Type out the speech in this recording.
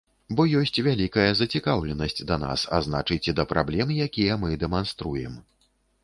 Бо ёсць вялікая зацікаўленасць да нас, а значыць, і да праблем, якія мы дэманструем.